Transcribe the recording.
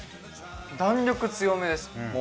弾力強めです。